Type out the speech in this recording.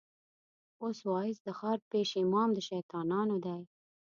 اوس واعظ د ښار پېش امام د شيطانانو دی